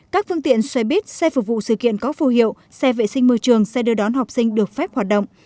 các phương tiện xe buýt xe phục vụ sự kiện có phù hiệu xe vệ sinh môi trường xe đưa đón học sinh được phép hoạt động